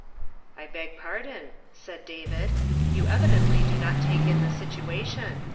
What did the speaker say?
"I beg pardon," said David; "you evidently do not take in the situation.